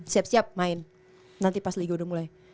siap siap main nanti pas liga udah mulai